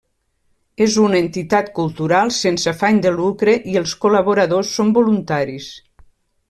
És una entitat cultural sense afany de lucre i els col·laboradors són voluntaris.